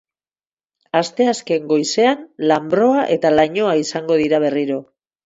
Asteazken goizean, lanbroa eta lainoa izango dira berriro.